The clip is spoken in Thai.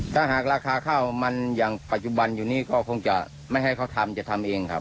ถ้าราชาข้าวมันยังปัจจุบันอยู่ก็ไม่ให้เขามีคราวใช่